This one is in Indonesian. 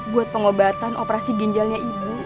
buat pengobatan operasi ginjalnya ibu